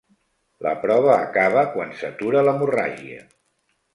La prova acaba quan s'atura l'hemorràgia.